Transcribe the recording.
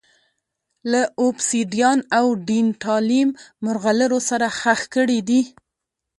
له اوبسیدیان او ډینټالیم مرغلرو سره ښخ کړي دي